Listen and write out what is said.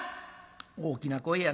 「大きな声やな。